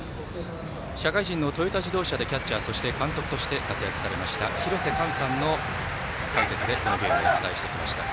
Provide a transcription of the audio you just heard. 社会人のトヨタ自動車でキャッチャーそして監督として活躍されました、廣瀬寛さんの解説でこのゲームお伝えしてきました。